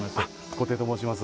小手と申します。